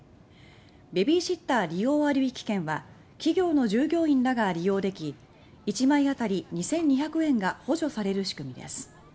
ベビーシッター利用割引券は企業の従業員らが利用でき１枚あたり２２００円が補助される仕組みです。